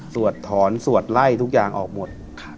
ถอนสวดไล่ทุกอย่างออกหมด